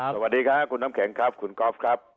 สวัสดีครับคุณน้ำแข็งครับคุณก๊อฟครับ